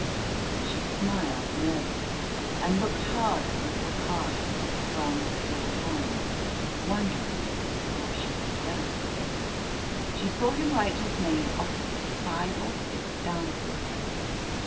She smiled nervously, and looked hard at the little card in his strong, still hands wondering what she had done. She saw him write his name opposite five or six dances.